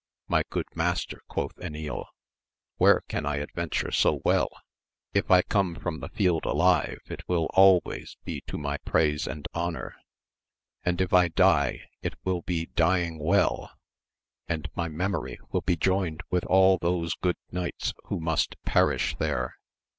My good master, quoth Enil, where can I adventure so well ? if I come from the field alive it will always be to my praise and honour, and if I die it will be dying well, and my memory will be joined with all those good knights who must perish there.